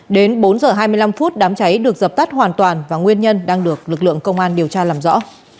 đến bốn h hai mươi năm phút đám cháy được dập tắt hoàn toàn và nguyên nhân đang được lực lượng công an điều tra làm rõ